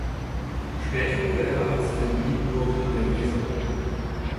Später wurde er Arzt in Nienburg an der Weser.